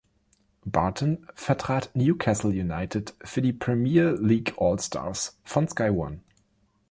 Barton vertrat Newcastle United für die „Premier League All Stars“ von Sky One.